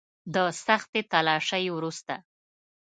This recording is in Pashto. د سختې تلاشۍ وروسته.